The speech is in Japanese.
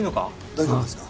大丈夫ですか？